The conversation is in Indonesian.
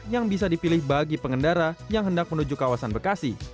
yang bisa dipilih bagi pengendara yang hendak menuju kawasan bekasi